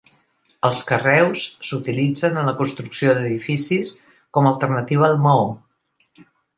Els carreus s'utilitzen en la construcció d'edificis com a alternativa al maó.